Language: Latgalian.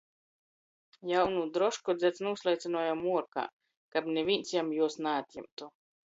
Jaunū drošku dzeds nūsleicynuoja muorkā, kab nivīns jam juos naatjimtu.